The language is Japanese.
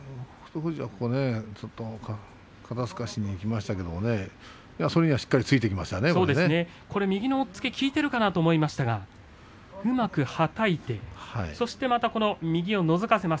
富士は肩すかしにいきましたけれども、それには右の押っつけが効いているかと思いましたがうまくはたいてそしてまた右をのぞかせます。